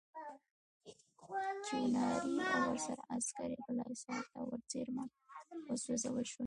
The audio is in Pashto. کیوناري او ورسره عسکر یې بالاحصار ته ورڅېرمه وسوځول شول.